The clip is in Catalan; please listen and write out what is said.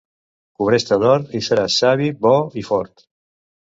Cobreix-te d'or i seràs savi, bo i fort.